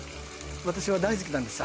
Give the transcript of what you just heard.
私は大好きなんです